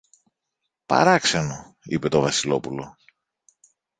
Παράξενο! είπε το Βασιλόπουλο.